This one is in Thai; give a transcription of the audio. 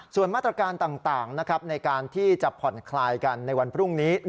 ส่วนมาตรการต่างในการที่จะผ่อนคลายกันในวันพรุ่งนี้